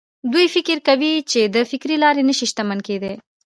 دوی فکر کوي چې د فکري لارې نه شي شتمن کېدای.